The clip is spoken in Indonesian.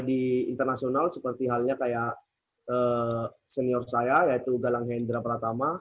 di internasional seperti halnya kayak senior saya yaitu galang hendra pratama